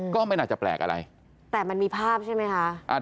ก็ไม่น่าจะแปลกอะไรแต่มันมีภาพใช่ไหมคะ